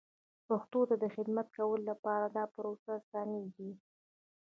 پښتو ته د خدمت کولو لپاره دا پروسه اسانېږي.